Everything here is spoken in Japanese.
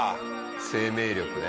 生命力ね。